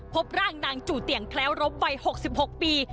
พบร่างนางจู่เตียงแคล้วรบวัย๖๖ปี